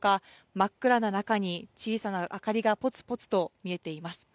真っ暗な中に、小さな明かりがぽつぽつと見えています。